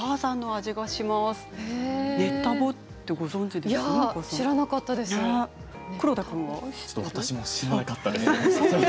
私も知らなかったです。